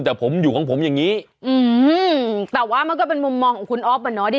แต่ผมอยู่ของผมอย่างนี้อืมแต่ว่ามันก็เป็นมุมมองของคุณอ๊อฟอ่ะเนาะดิ